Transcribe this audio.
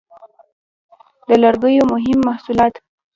د لرګیو مهم محصولات: